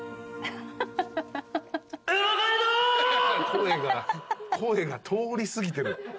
声が通り過ぎてる。